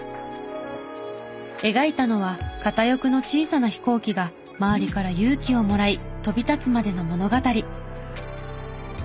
描いたのは片翼の小さな飛行機が周りから勇気をもらい飛び立つまでの物語。